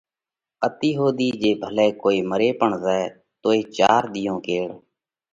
اتِي ۿُوڌِي جي ڀلئہ ڪوئي مري پڻ زائہ توئي چار ۮِيئون ڪيڙ